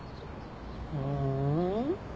ふん。